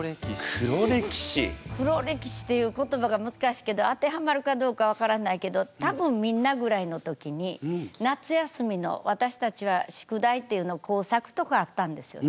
黒歴史っていう言葉が難しいけど当てはまるかどうか分からないけど多分みんなぐらいの時に夏休みの私たちは宿題っていうの工作とかあったんですよね。